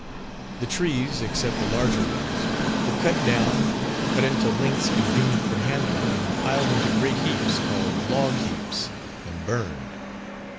The trees, except the larger ones, were cut down, cut into lengths convenient for handling and piled into great heaps, called "log heaps," and burned.